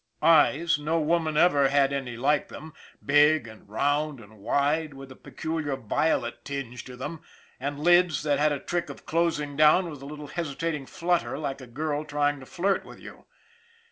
Eyes' no woman ever had any like them big and round and wide, with a peculiar violet tinge to them, and lids that had a trick of closing down with a little hesitating flutter like a girl trying to flirt with you.